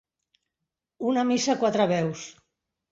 Una missa a quatre veus.